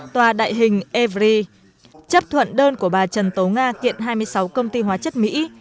tòa đại hình evry chấp thuận đơn của bà trần tố nga kiện hai mươi sáu công ty hóa chất mỹ